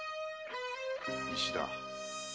石田。